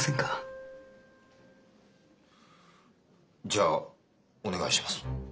じゃあお願いします。